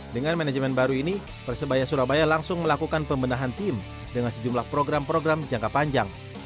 dengan manajemen baru ini persebaya surabaya langsung melakukan pembenahan tim dengan sejumlah program program jangka panjang